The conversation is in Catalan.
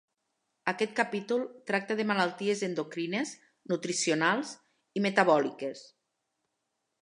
Aquest capítol tracta de malalties endocrines, nutricionals i metabòliques.